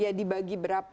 yang kedua dibagi berapa